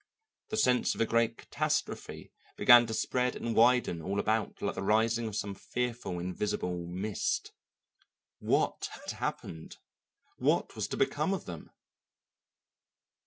The sense of a great catastrophe began to spread and widen all about like the rising of some fearful invisible mist. "What had happened? What was to become of them?"